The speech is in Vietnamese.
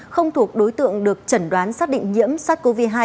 không thuộc đối tượng được chẩn đoán xác định nhiễm sars cov hai